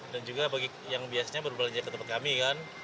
dan juga bagi yang biasanya berbelanja ke tempat kami kan